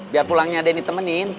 biar pulangnya denny temenin